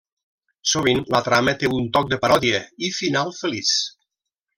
Sovint la trama té un toc de paròdia i final feliç.